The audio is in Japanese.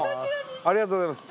ありがとうございます。